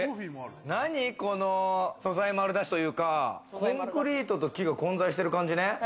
何この素材丸出しというか、コンクリートと木が混在してる感じね。